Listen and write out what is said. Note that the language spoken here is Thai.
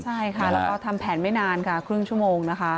ใช่ค่ะแล้วก็ทำแผนไม่นานค่ะครึ่งชั่วโมงนะคะ